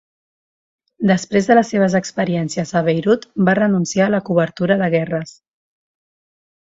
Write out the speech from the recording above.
Després de les seves experiències a Beirut va renunciar a la cobertura de guerres.